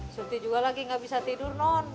surti juga lagi gak bisa tidur non